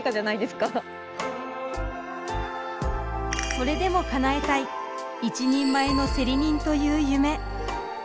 それでもかなえたい一人前の競り人という夢。